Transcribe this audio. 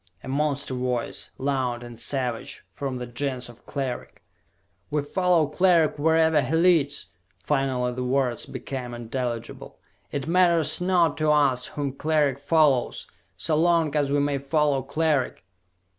A monster voice, loud and savage, from the Gens of Cleric. "We follow Cleric wherever he leads!" Finally the words became intelligible. "It matters not to us whom Cleric follows, so long as we may follow Cleric!"